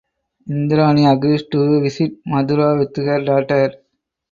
Indrani agrees to visit Mathura with her daughter.